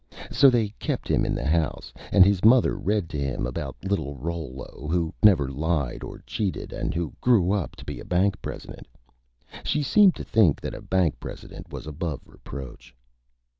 So they kept Him in the House, and: his Mother read to him about Little Rollo, who never lied or cheated, and who grew up to be a Bank President, She seemed to think that a Bank President was above Reproach.